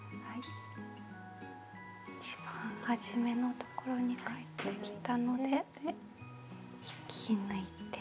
一番はじめのところに返ってきたので引き抜いて。